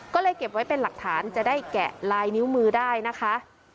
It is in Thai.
ก็เลยเก็บไว้เป็นหลักฐานจะได้แกะลายนิ้วมือได้นะคะ